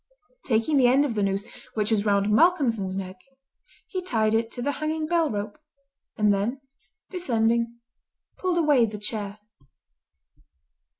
Taking the end of the noose which was round Malcolmson's neck he tied it to the hanging bell rope, and then descending pulled away the chair.